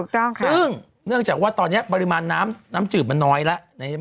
ต้องค่ะซึ่งเนื่องจากว่าตอนนี้ปริมาณน้ำจืดมันน้อยแล้ว